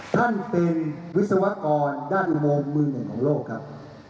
ท่านเป็นวิศวกรด้านอุโมงมือหนึ่งของโลกครับ